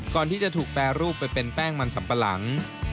ก่อนที่จะถูกแปรรูปไปเป็นแป้งมันสัมปะหลัง